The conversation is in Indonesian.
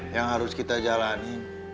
yang harus kita jalani